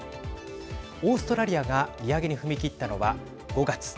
オーストラリアが利上げに踏み切ったのは５月。